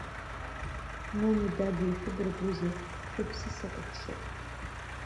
Нани, дади, ишәыбаргәузеи, шәыԥсы сакәыхшоуп!